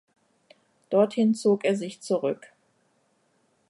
Dorthin zog er sich zurück.